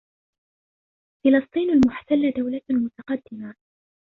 فلسطين المحتله دوله متقدمه